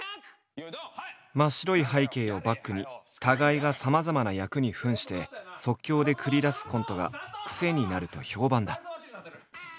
真っ白い背景をバックに互いがさまざまな役に扮して即興で繰り出すコントがクセになると評判だ。